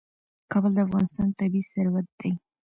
کابل د افغانستان طبعي ثروت دی.